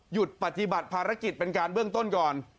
ปฏิบัติภารกิจเป็นการเบื้องต้นก่อน